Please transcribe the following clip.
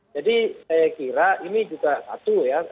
jadi saya kira ini juga satu ya